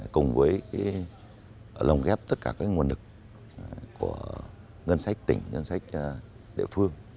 cùng với lồng ghép tất cả các nguồn lực của ngân sách tỉnh ngân sách địa phương